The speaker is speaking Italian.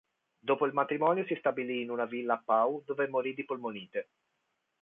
Dopo il matrimonio si stabilì in una villa a Pau, dove morì di polmonite.